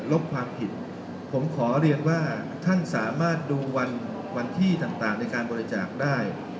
ลบความผิดผมขอเรียนว่าท่านสามารถดูวันที่ต่างในการบริจาคได้